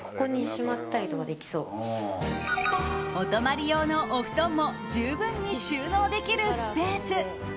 お泊まり用のお布団も十分に収納できるスペース。